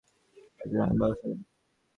বাড়িতে রান্নার ব্যবস্থা নেই।